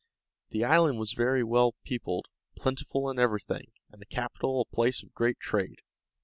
The island was very well peopled, plentiful in everything, and the capital a place of great trade.